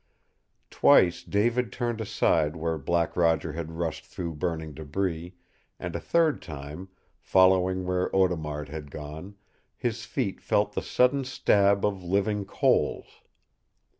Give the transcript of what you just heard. Twice David turned aside where Black Roger had rushed through burning debris, and a third time, following where Audemard had gone, his feet felt the sudden stab of living coals.